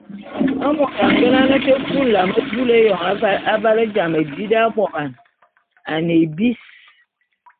Môt a ngenane te kui nlam bulu éyôn aval jame di d’aboban, a ne ébis.